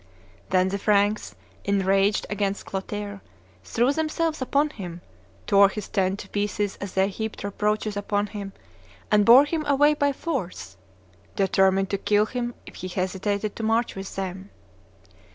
Then the Franks, enraged against Clotaire, threw themselves upon him, tore his tent to pieces as they heaped reproaches upon him, and bore him away by force, determined to kill him if he hesitated to march with them.